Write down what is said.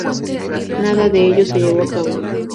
Nada de ello se llevó a cabo.